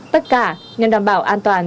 tất cả nhằm đảm bảo an toàn